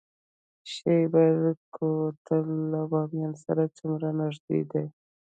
شیبر کوتل له بامیان سره څومره نږدې دی؟